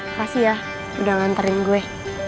makasih ya udah nganterin gue